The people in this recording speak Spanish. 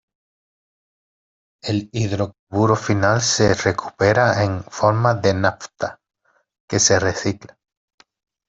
El hidrocarburo final se recupera en forma de nafta, que se recicla.